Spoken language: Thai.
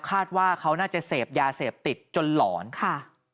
คาดว่าเขาน่าจะเสพยาเสพติดจนหลอนค่ะ